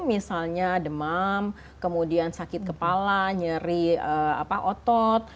misalnya demam kemudian sakit kepala nyeri otot